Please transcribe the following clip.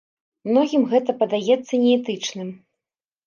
Многім гэта падаецца неэтычным.